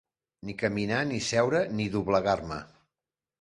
Ni caminar ni seure ni doblegar-me.